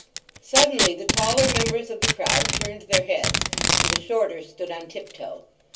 Suddenly the taller members of the crowd turned their heads, and the shorter stood on tiptoe.